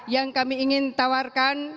yang kami ingin tawarkan